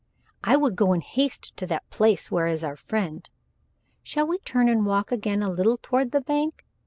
I would go in haste to that place where is our friend. Shall we turn and walk again a little toward the bank?